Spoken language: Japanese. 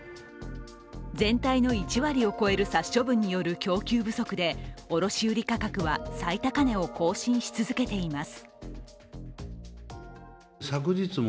全体の１割を超える殺処分による供給不足で卸売価格は最高値を更新し続けています。